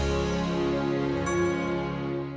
aku tekang wu bumbuk pendulum